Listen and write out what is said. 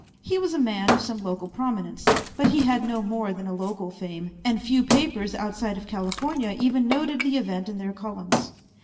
He was a man of some local prominence, but he had no more than a local fame, and few papers outside of California even noted the event in their columns.